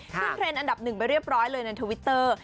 เทรนด์อันดับหนึ่งไปเรียบร้อยเลยในทวิตเตอร์